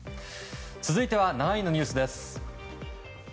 続いては７位のニュースです。